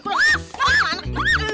kalo asah sama anak ini